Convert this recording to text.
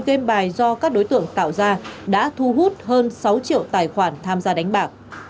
game bài do các đối tượng tạo ra đã thu hút hơn sáu triệu tài khoản tham gia đánh bạc